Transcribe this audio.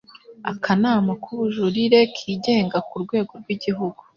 akanama k ubujurire kigenga ku rwego rw igihugu